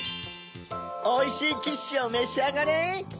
おいしいキッシュをめしあがれ！